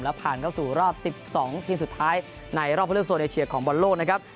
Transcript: และผ่านเข้าสู่รอบ๑๒ทีมสุดท้ายในรอบเลือกโซนเอเชียของบอลโลกนะครับ